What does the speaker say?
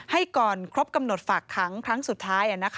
ให้ก่อนครบกำหนดฝากขังครั้งสุดท้าย